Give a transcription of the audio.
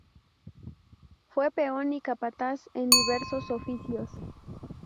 Fue peón y capataz en diversos oficios.